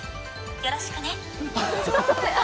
よろしくね。